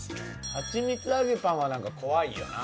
はちみつ揚げパンは何か怖いよな。